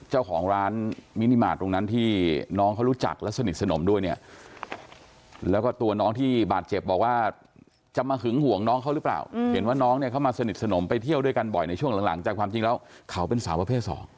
เห็นว่าน้องเนี่ยเข้ามาสนิทสนมไปเที่ยวด้วยกันบ่อยในช่วงหลังจากความจริงแล้วเขาเป็นสาวประเภทสอง